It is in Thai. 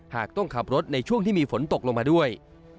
หากต้องขับรถในช่วงที่มีฝนตกลงมาด้วย